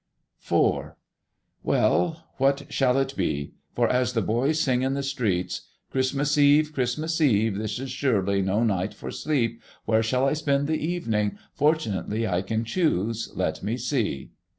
IV. Well, what shall it be? for, as the boys sing in the streets, "Christmas Eve! Christmas Eve! This is surely no night for sleep!" Where shall I spend the evening? Fortunately I can choose; let me see.